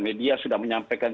media sudah menyampaikan